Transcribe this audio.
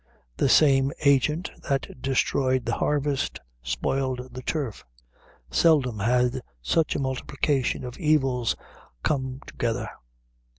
The same agent that destroyed the harvest spoiled the turf. Seldom had such a multiplication of evils come together.